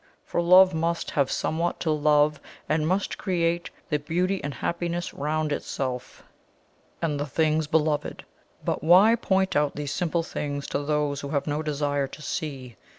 For Love MUST have somewhat to love, and MUST create the beauty and happiness round itself and the things beloved. But why point out these simple things to those who have no desire to see?